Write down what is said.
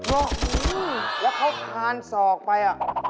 อ๋อแล้วเขาคานสอกไป